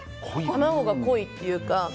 卵が濃いというか。